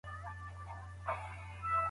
که خلګ همکاري ونکړي نو غریبي به زیاته سي.